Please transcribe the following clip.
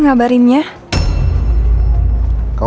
gak berjalan lancar